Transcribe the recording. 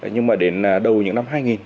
nhưng mà đến đầu những năm hai nghìn